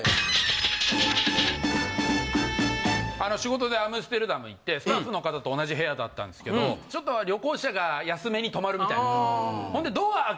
あの仕事でアムステルダム行ってスタッフの方と同じ部屋だったんですけどちょっと旅行者が安めに泊まるみたいな。